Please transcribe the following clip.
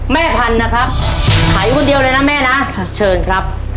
แม่พันธุ์นะครับไถคนเดียวเลยนะแม่นะเชิญครับ